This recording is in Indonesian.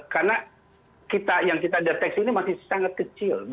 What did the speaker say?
karena yang kita deteksi ini masih sangat kecil